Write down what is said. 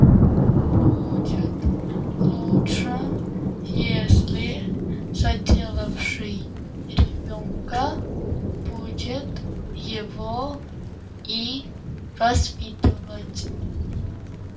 Будет лучше, если заделавший ребёнка будет его и воспитывать.